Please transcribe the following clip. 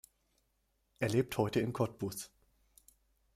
Er lebt heute in Cottbus.